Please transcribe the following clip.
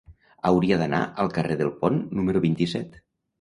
Hauria d'anar al carrer del Pont número vint-i-set.